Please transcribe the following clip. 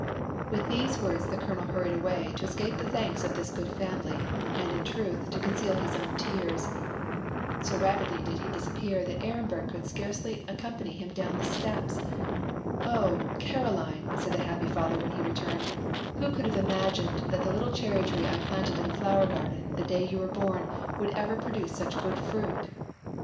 With these words the colonel hurried away to escape the thanks of this good family, and, in truth, to conceal his own tears. So rapidly did he disappear that Ehrenberg could scarcely accompany him down the steps. "Oh, Caroline," said the happy father when he returned, "who could have imagined that the little cherry tree I planted in the flower garden the day you were born would ever produce such good fruit?"